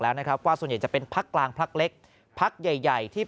แล้วนะครับว่าส่วนใหญ่จะเป็นพักกลางพักเล็กพักใหญ่ใหญ่ที่